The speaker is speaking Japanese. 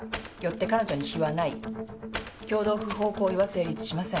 共同不法行為は成立しません。